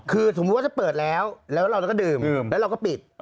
คือสมมุติว่าจะเปิดแล้วแล้วเราก็ดื่มแล้วเราก็ปิด